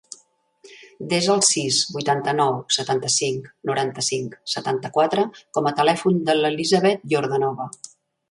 Desa el sis, vuitanta-nou, setanta-cinc, noranta-cinc, setanta-quatre com a telèfon de l'Elisabeth Yordanova.